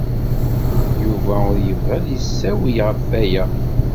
Yuba ur yebɣi ad yessiwel ɣef waya.